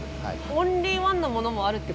オンリーワンのものもあるってことですか？